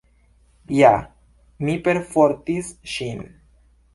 Ja, mi perfortis ŝin.